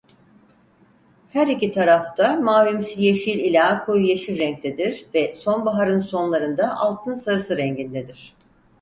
Her iki tarafta mavimsi yeşil ila koyu yeşil renktedir ve sonbaharın sonlarında altın sarısı rengindedir.